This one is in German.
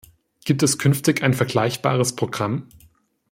Gibt es künftig ein vergleichbares Programm?